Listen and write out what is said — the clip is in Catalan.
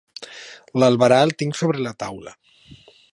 L'albarà el tinc sobre la taula.